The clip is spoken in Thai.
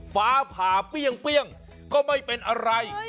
ฟ้าผ่าเปรี้ยงก็ไม่เป็นอะไร